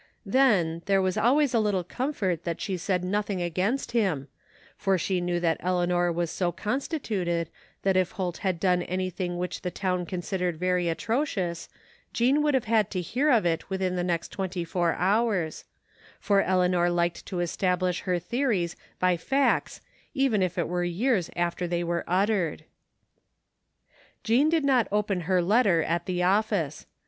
Then, there was always a little comfort that she said nothing against him, for she knew that Eleanor was so constituted that if Holt had done anything which the town considered very atrocious Jean would have had to hear of it within the next twenty four hours; for Eleanor liked to estab lish her theories by facts even if it were years after they were uttered. Jean did not open her letter at the office.